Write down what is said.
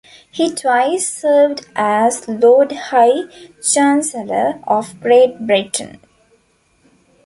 He twice served as Lord High Chancellor of Great Britain.